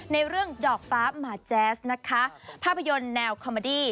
ในเรื่องดอกฟ้าหมาแจ๊สนะคะภาพยนตร์แนวคอมเมอดี้